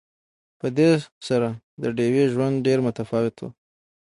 په دې سره د ډیوې ژوند ډېر متفاوت وو